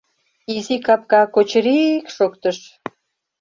Изи капка кочыри-и-ик шоктыш.